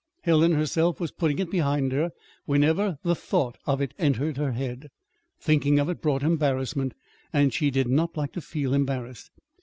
Helen herself was putting it behind her whenever the thought of it entered her head. Thinking of it brought embarrassment; and she did not like to feel embarrassed.